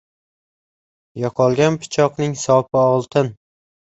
• Yo‘qolgan pichoqning sopi oltin.